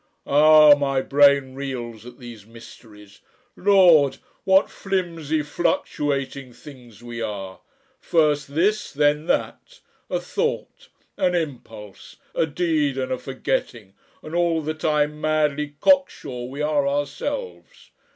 Ah! My brain reels at these mysteries! Lord! what flimsy fluctuating things we are first this, then that, a thought, an impulse, a deed and a forgetting, and all the time madly cocksure we are ourselves.